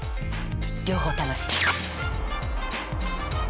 両方楽しい。